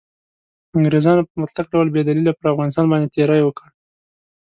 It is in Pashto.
انګریزانو په مطلق ډول بې دلیله پر افغانستان باندې تیری وکړ.